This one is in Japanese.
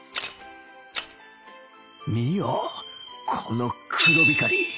見よこの黒光り